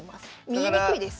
見えにくいです